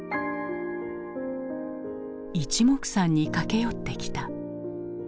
いちもくさんに駆け寄ってきた。